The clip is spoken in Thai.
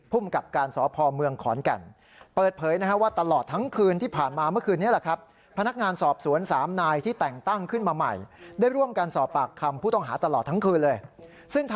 พุ่มกับการสอบพ่อเมืองขอนแก่น